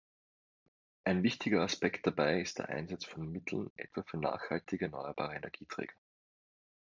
Ein wichtiger Aspekt dabei ist der Einsatz von Mitteln etwa für nachhaltige erneuerbare Energieträger.